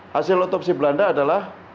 hasil otopsi belanda adalah